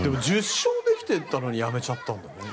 １０勝できてたのにやめちゃったんだね。